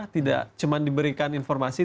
tidak cuman diberikan informasi